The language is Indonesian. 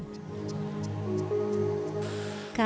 ialah penjahit kain layang layang